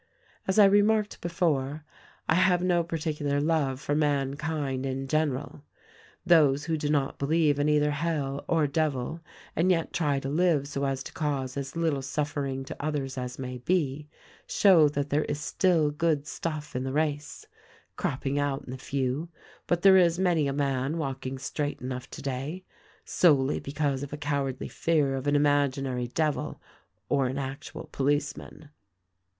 "As I remarked before, I have no particular love for mankind in general. Those who do not believe in either Hell or Devil and yet try to live so as to cause as little suffering to others as may be, show that there is still good stuff in the race — cropping out in the few ; but there is many a man walking straight enough today, solely because of a cowardly fear of an imaginary devil or an actual policeman.